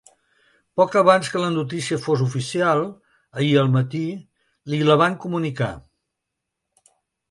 Poc abans que la notícia fos oficial, ahir al matí, li la van comunicar.